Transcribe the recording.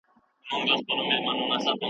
مهرباني وکړئ خپل کارونه په سمه توګه ترسره کړئ.